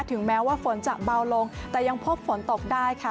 ถึงแม้ว่าฝนจะเบาลงแต่ยังพบฝนตกได้ค่ะ